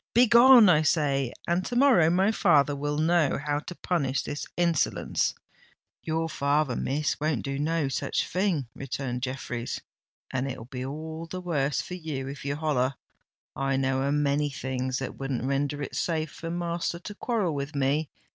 "Begone, I say—and to morrow my father will know how to punish this insolence." "Your father, Miss, won't do no such a thing," returned Jeffreys; "and it'll be all the worse for you if you holler. I know a many things that wouldn't render it safe for master to quarrel with me.